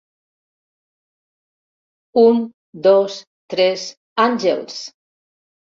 Un, dos, tres, Àngels!